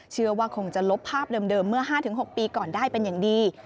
เชื่อว่าคงจะลบภาพเดิมเมื่อ๕๖ปีก่อนได้เป็นอย่างดี